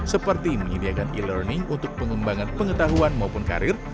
seperti menyediakan e learning untuk pengembangan pengetahuan maupun karir